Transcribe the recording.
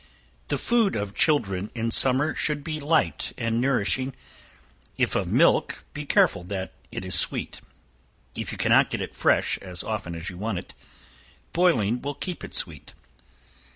The food of children in summer, should be light and nourishing; if of milk, be careful that it is sweet. If you cannot get it fresh as often as you want it, boiling will keep it sweet.